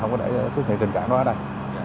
không có để sự thiện tình trạng đó ở đây